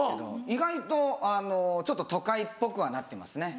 意外とちょっと都会っぽくはなってますね。